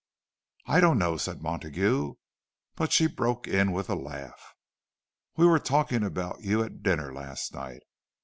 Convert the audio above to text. "I don't know," said Montague—but she broke in with a laugh, "We were talking about you at dinner last night.